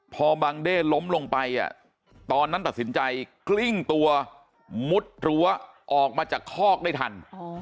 พอบังเด้ล้มลงไปตอนนั้นตัดสินใจกลิ้งตัวมุดรั้วออกมาจากคอกได้ทัน